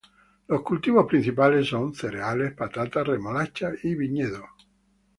Los cultivos principales son: cereales, patata, remolacha y viñedo.